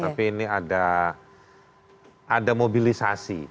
tapi ini ada mobilisasi